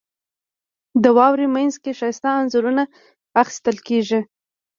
• د واورې مینځ کې ښایسته انځورونه اخیستل کېږي.